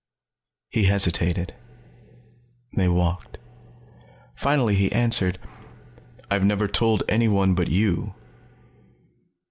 He hesitated; they walked. Finally he answered. "I've never told anyone but you.